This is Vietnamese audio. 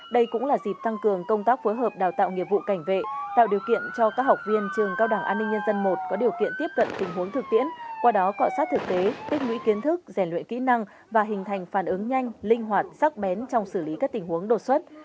đây cũng là dịp tăng cường công tác phối hợp đào tạo nghiệp vụ cảnh vệ tạo điều kiện cho các học viên trường cao đảng an ninh nhân dân i có điều kiện tiếp cận tình huống thực tiễn qua đó cọ sát thực tế tích lũy kiến thức rèn luyện kỹ năng và hình thành phản ứng nhanh linh hoạt sắc bén trong xử lý các tình huống đột xuất